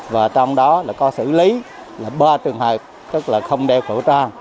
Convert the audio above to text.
và trong đó có xử lý ba trường hợp tức là không đeo khẩu trang